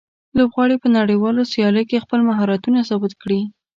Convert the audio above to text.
لوبغاړي په نړیوالو سیالیو کې خپل مهارتونه ثابت کړي.